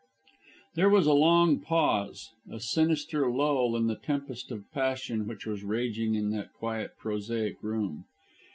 There was a long pause, a sinister lull in the tempest of passion which was raging in that quiet, prosaic room.